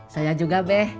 saya juga be